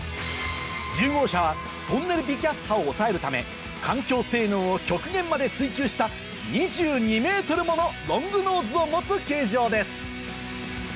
１０号車はトンネル微気圧波を抑えるため環境性能を極限まで追求した２２ｍものロングノーズを持つ形状です